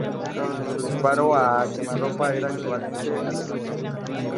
Su disparo a quemarropa era equivalente al de un pequeño cañón.